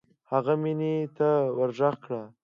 هغه مينې ته ورږغ کړه.